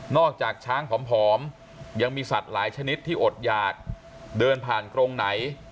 จากช้างผอมยังมีสัตว์หลายชนิดที่อดอยากเดินผ่านกรงไหน